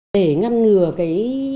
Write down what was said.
để ngăn ngừa cái